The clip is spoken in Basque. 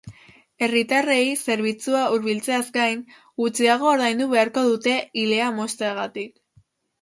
Herritarrei zerbitzua hurbiltzeaz gain, gutxiago ordaindu beharko dute ilea mozteagatik.